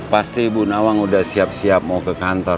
pasti ibu nawang udah siap siap mau ke kantor